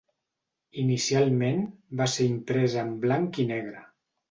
Inicialment va ser imprès en blanc i negre.